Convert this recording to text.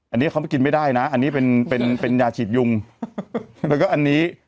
อันนี้เขาไปกินไม่ได้นะอันนี้เป็นเป็นยาฉีดยุงแล้วก็อันนี้